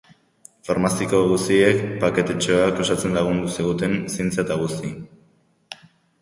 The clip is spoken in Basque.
Farmaziko guziek paketetxoak osatzen lagundu ziguten, zinta eta guzi.